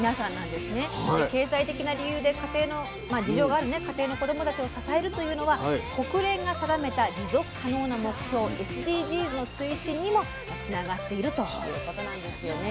で経済的な理由で事情がある家庭の子どもたちを支えるというのは国連が定めた持続可能な目標ＳＤＧｓの推進にもつながっているということなんですよね。